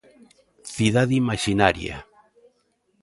Cidade Imaxinaria.